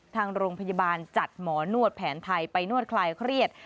ทางโรงพยาบาลจัดหมอนวดแผนไทยไปนวดคลายเครียด